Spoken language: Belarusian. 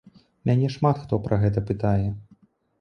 Мяне шмат хто пра гэта пытае.